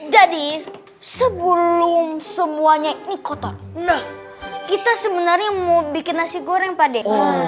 jadi sebelum semuanya ini kotor nah kita sebenarnya mau bikin nasi goreng pade